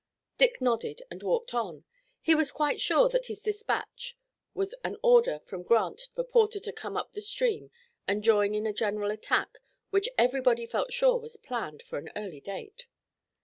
Dick nodded and walked on. He was quite sure that his dispatch was an order from Grant for Porter to come up the stream and join in a general attack which everybody felt sure was planned for an early date.